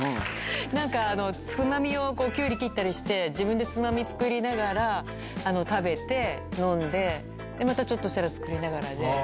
なんか、つまみを、きゅうり切ったりして、自分でつまみ作りながら、食べて、飲んで、またちょっとしたら、作りながらで。